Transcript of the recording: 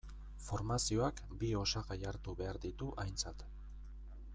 Formazioak bi osagai hartu behar ditu aintzat.